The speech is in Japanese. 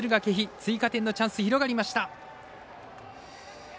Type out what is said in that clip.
追加点のチャンス広がりました。